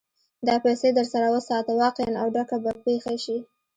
دا پيسې در سره وساته؛ واقعه او ډکه به پېښه شي.